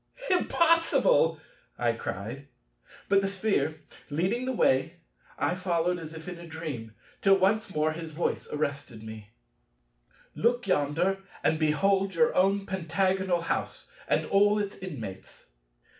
"Impossible!" I cried; but, the Sphere leading the way, I followed as if in a dream, till once more his voice arrested me: "Look yonder, and behold your own Pentagonal house, and all its inmates."